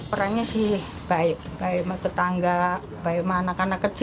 perannya sih baik baik sama tetangga baik sama anak anak kecil